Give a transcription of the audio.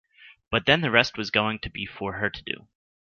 But then the rest was going to be for her to do.